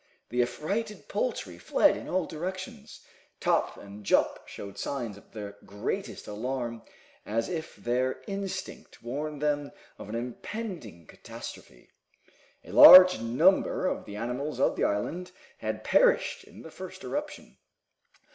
The affrighted poultry fled in all directions. Top and Jup showed signs of the greatest alarm, as if their instinct warned them of an impending catastrophe. A large number of the animals of the island had perished in the first eruption.